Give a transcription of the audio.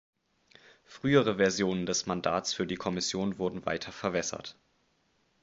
Frühere Versionen des Mandats für die Kommission wurden weiter verwässert.